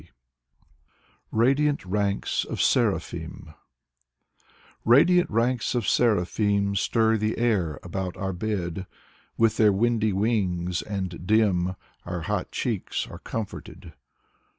Valery Brusov 83 " RADIANT RANKS OF SERAPHIM " Radiant ranks of seraphim Stir the air about our bed. With their windy wings and dim Our hot cheeks are comforted.